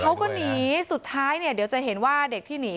เขาก็หนีสุดท้ายเนี่ยเดี๋ยวจะเห็นว่าเด็กที่หนี